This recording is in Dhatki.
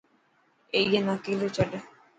ائي نا اڪيلو ڇڏ.